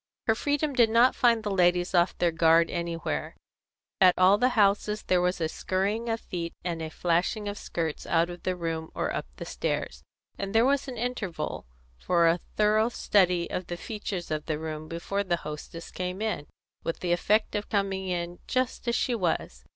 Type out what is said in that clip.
Her freedom did not find the ladies off their guard anywhere. At all the houses there was a skurrying of feet and a flashing of skirts out of the room or up the stairs, and there was an interval for a thorough study of the features of the room before the hostess came in, with the effect of coming in just as she was.